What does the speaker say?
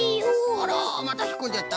あらまたひっこんじゃった。